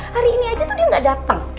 hari ini aja tuh dia gak datang